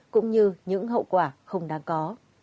cũng như những hậu quả không đáng có